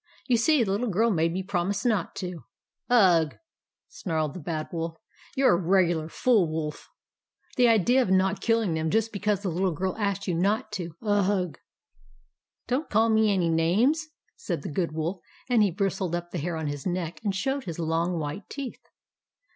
You see the Little Girl made me promise not to." " Ugh !" snarled the Bad Wolf. " You 're a regular fool wolf. The idea of not killing them, just because a little girl asked you not to. Ugh !" TRICKS OF THE BAD WOLF 135 11 Don't call me any names," said the Good Wolf; and he bristled up the hair on his neck and showed his long white teeth.